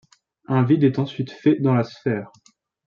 Un vide est ensuite fait dans la sphère.